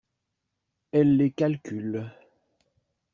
Elle les calcule.